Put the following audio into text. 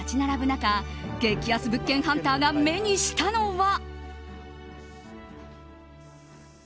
中激安物件ハンターが目にしたのは。